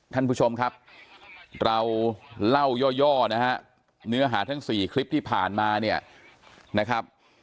ท่านผู้ชมครับเราเล่าย่อเนื้อหาทั้ง๔คลิปที่ผ่านมา